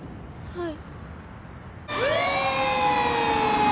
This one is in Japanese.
はい。